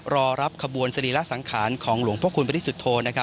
รอรับขบวนสดีลักษณ์สังขารของหลวงพระคุณพระทิสุทธโท